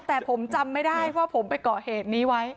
แต่ผมจำไม่ได้ว่าผมไปก่อเหตุนี้ไว้